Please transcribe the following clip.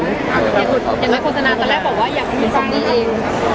อย่างไรโฆษณาตอนแรกบอกว่าอยากมีซอมบี้เอง